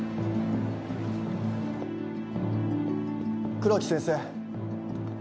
黒木先生。